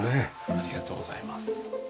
ありがとうございます。